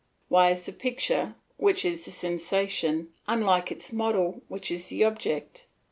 Why is the picture, which is the sensation, unlike its model which is the object?